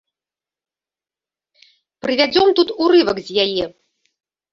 Прывядзём тут урывак з яе.